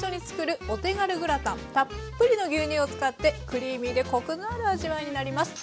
たっぷりの牛乳を使ってクリーミーでコクのある味わいになります。